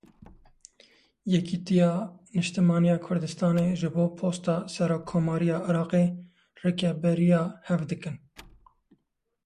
Yêkîtiya Niştimaniya Kurdistanê ji bo posta serokkomariya Iraqê rikeberiya hev dikin.